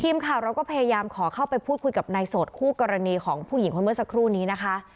ทีมข่าวเราก็พยายามขอเข้าไปพูดคุยกับนายโสดคู่กรณีของผู้หญิงคนเมื่อสักครู่นี้นะคะ